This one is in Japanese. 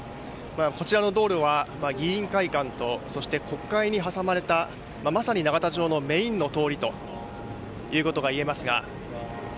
こちらの道路は議員会館とそして国会に挟まれたまさに永田町のメインの通りということがいえますが。